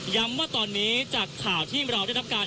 ว่าตอนนี้จากข่าวที่เราได้รับการ